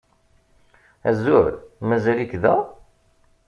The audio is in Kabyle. Azul! Mazal-ik da?